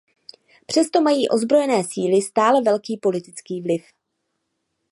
Přesto mají odzbrojené síly stále velký politický vliv.